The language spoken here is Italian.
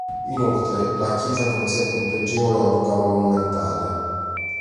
Inoltre, la chiesa conserva un pregevole organo monumentale.